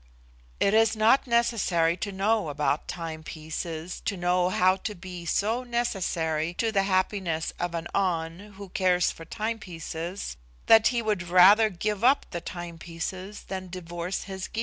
"It is not necessary to know about timepieces to know how to be so necessary to the happiness of an An, who cares for timepieces, that he would rather give up the timepieces than divorce his Gy.